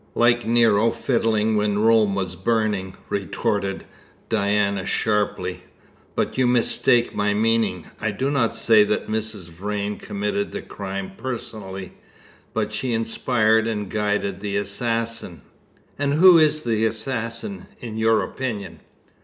"Like Nero fiddling when Rome was burning," retorted Diana sharply; "but you mistake my meaning. I do not say that Mrs. Vrain committed the crime personally, but she inspired and guided the assassin." "And who is the assassin, in your opinion?"